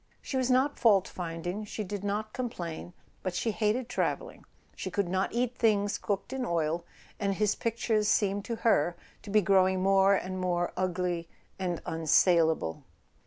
She was not fault finding, she did not complain, but she hated travelling, she could not eat things cooked in oil, and his pictures seemed to her to be grow¬ ing more and more ugly and unsalable.